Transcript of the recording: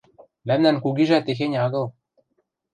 – Мӓмнӓн кугижӓ техень агыл...